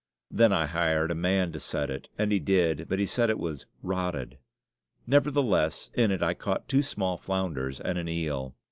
Then I hired a man to set it, and he did, but he said it was "rotted." Nevertheless, in it I caught two small flounders and an eel.